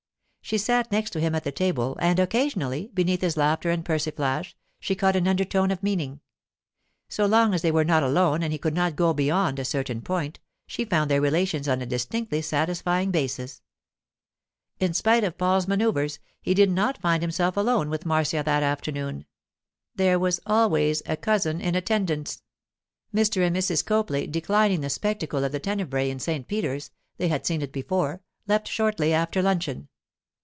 She sat next to him at the table, and occasionally, beneath his laughter and persiflage, she caught an undertone of meaning. So long as they were not alone and he could not go beyond a certain point, she found their relations on a distinctly satisfying basis. In spite of Paul's manœuvres, he did not find himself alone with Marcia that afternoon. There was always a cousin in attendance. Mr. and Mrs. Copley, declining the spectacle of the tenebræ in St. Peter's—they had seen it before—left shortly after luncheon.